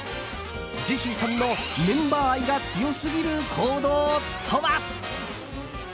ジェシーさんのメンバー愛が強すぎる行動とは。